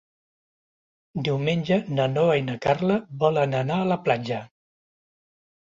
Diumenge na Noa i na Carla volen anar a la platja.